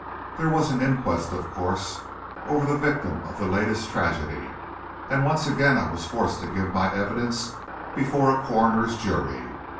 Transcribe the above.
There was an inquest, of course, over the victim of the latest tragedy, and once again I was forced to give my evidence before a coroner's jury.